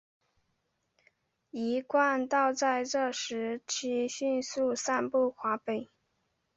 一贯道在这段时期迅速散布华北。